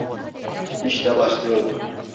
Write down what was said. İşte başIıyoruz.